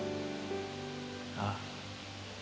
ああ。